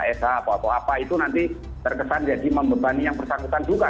atau apa apa itu nanti terkesan jadi membebani yang persanggutan juga